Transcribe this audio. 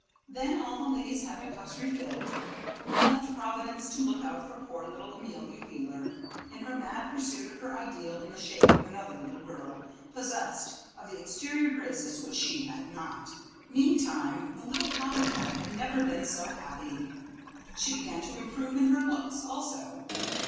Then all the ladies had their cups refilled, and left Providence to look out for poor little Amelia Wheeler, in her mad pursuit of her ideal in the shape of another little girl possessed of the exterior graces which she had not. Meantime the little "Copy Cat" had never been so happy. She began to improve in her looks also.